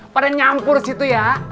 pada nyampur situ ya